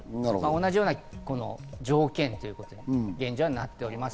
同じような条件と現状はなっております。